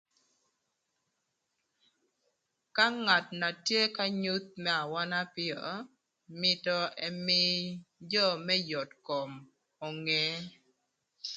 Ka ngat na tye k'anyuth më awöna öpïö mïtö ëmïï jö më yot kom onge.